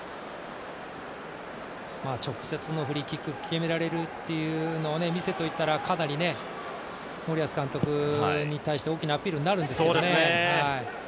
直接のフリーキックを決められるというのを見せていたらかなり森保監督に対して大きなアピールになるんですけど。